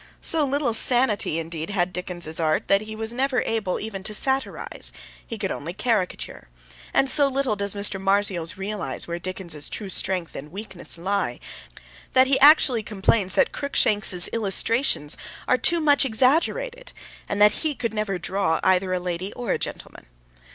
So little sanity, indeed, had Dickens's art that he was never able even to satirise: he could only caricature; and so little does Mr. Marzials realise where Dickens's true strength and weakness lie, that he actually complains that Cruikshank's illustrations are too much exaggerated and that he could never draw either a lady or a gentleman.